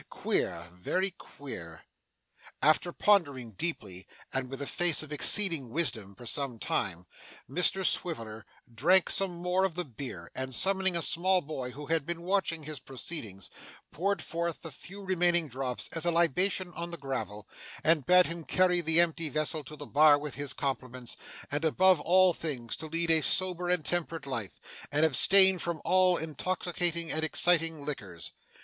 Queer very queer!' After pondering deeply and with a face of exceeding wisdom for some time, Mr Swiveller drank some more of the beer, and summoning a small boy who had been watching his proceedings, poured forth the few remaining drops as a libation on the gravel, and bade him carry the empty vessel to the bar with his compliments, and above all things to lead a sober and temperate life, and abstain from all intoxicating and exciting liquors.